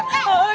itu takut mi